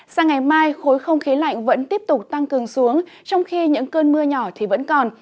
sang ngày mai khối không khí lạnh vẫn tiếp tục tăng cường xuống trong khi những cơn mưa nhỏ thì vẫn còn